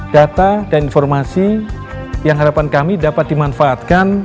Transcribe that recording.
data dan informasi yang harapan kami dapat dimanfaatkan